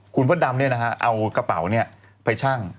คุณมดดำเอากระเป๋าไปชั่ง